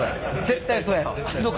絶対そうや。